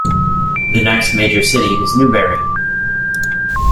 The next major city is Newberry.